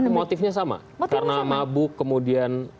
motifnya sama karena mabuk kemudian